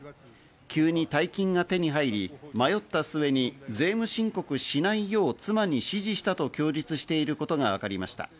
急に大金が手に入り、迷った末に税務申告しないよう、妻に指示したと供述していることがわかりました。